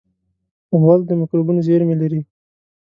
غول د مکروبونو زېرمې لري.